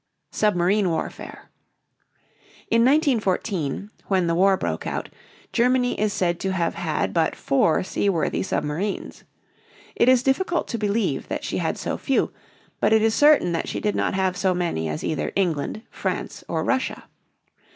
SUBMARINE WARFARE. In 1914, when the war broke out, Germany is said to have had but four seaworthy submarines. It is difficult to believe that she had so few, but it is certain that she did not have so many as either England, France, or Russia.